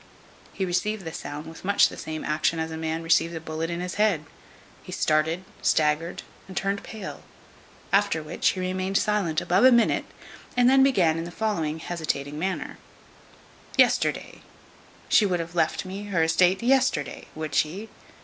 He received the sound with much the same action as a man receives a bullet in his head. He started, staggered, and turned pale. After which he remained silent above a minute, and then began in the following hesitating manner: "Yesterday! she would have left me her esteate yesterday! would she?